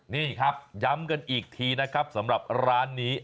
นี่ครับย้ำกันอีกทีนะครับสำหรับร้านนี้